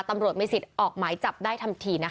ตำรวจมีสิทธิ์ออกหมายจับได้ทันทีนะคะ